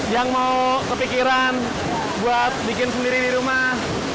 yang mau kepikiran buat bikin sendiri di rumah